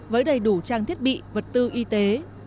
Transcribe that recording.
với đầy đủ trang thiết bị vật tư y tế